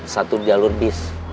satu di jalur bis